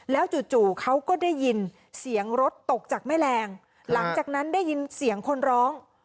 จู่เขาก็ได้ยินเสียงรถตกจากแม่แรงหลังจากนั้นได้ยินเสียงคนร้อง